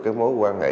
cái mối quan hệ